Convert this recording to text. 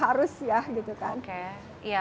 harus ya gitu kan